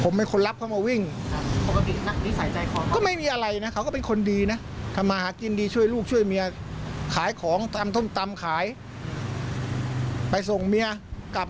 มีข่าวที่มีบอกว่าคนในวินที่พาก๊อฟหนีจริงไหมครับ